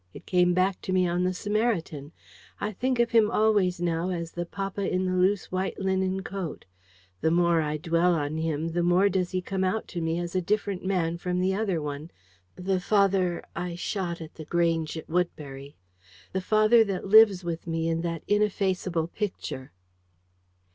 "It came back to me on the Sarmatian. I think of him always now as the papa in the loose white linen coat. The more I dwell on him, the more does he come out to me as a different man from the other one the father...I shot at The Grange, at Woodbury. The father that lives with me in that ineffaceable Picture."